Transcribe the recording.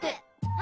あ！